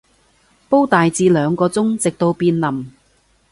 煲大致兩個鐘，直到變腍